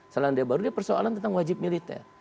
selandia baru dia persoalan tentang wajib militer